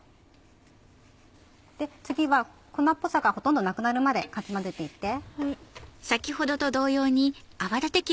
次は粉っぽさがほとんどなくなるまでかき混ぜていって。